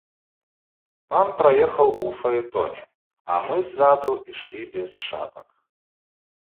Пан праехаў у фаэтоне, а мы ззаду ішлі без шапак.